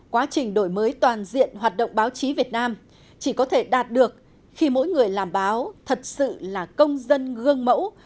quá trình đổi mới toàn diện hoạt động báo chí việt nam chỉ có thể đạt được khi mỗi người làm báo thật sự là công dân gương mẫu